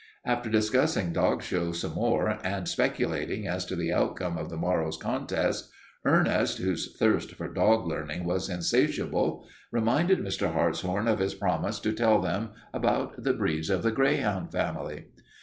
After discussing dog shows some more and speculating as to the outcome of the morrow's contests. Ernest, whose thirst for dog learning was insatiable, reminded Mr. Hartshorn of his promise to tell them about the breeds of the greyhound family.